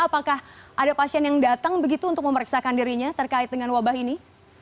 apakah ada pasien yang datang begitu untuk memeriksakan dirinya terkait dengan wabah ini